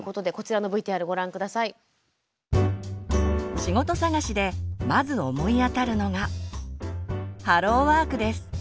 仕事探しでまず思い当たるのが「ハローワーク」です。